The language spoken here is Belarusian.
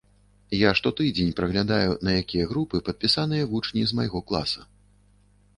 Я штотыдзень праглядаю, на якія групы падпісаныя вучні з майго класа.